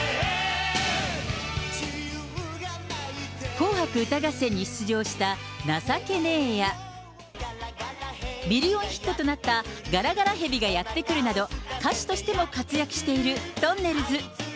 紅白歌合戦に出場した情けねぇや、ミリオンヒットとなったガラガラヘビがやってくるなど、歌手としても活躍しているとんねるず。